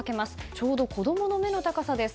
ちょうど子供の目の高さです。